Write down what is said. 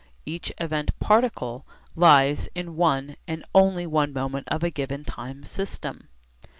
Each event particle lies in one and only one moment of a given time system.